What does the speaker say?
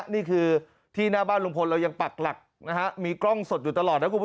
นี่คือที่หน้าบ้านลุงพลเรายังปักหลักนะฮะมีกล้องสดอยู่ตลอดนะคุณผู้ชม